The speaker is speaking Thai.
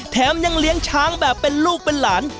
แถมยังเลี้ยงช้างแบบเป็นลูกเป็นหลาน